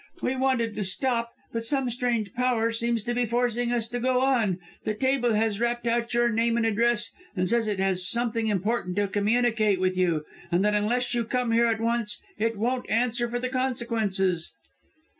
We wanted to stop, but some strange power seems to be forcing us to go on. The table has rapped out your name and address, and says it has something important to communicate with you, and that unless you come here at once, it won't answer for the consequences."